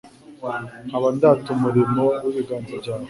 nkaba ndata umurimo w’ibiganza byawe